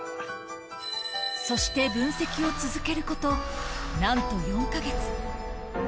そして分析を続けること、なんと４か月。